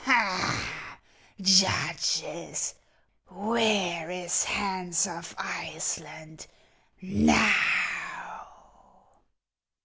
" Ha ! judges, where is Hans of Iceland now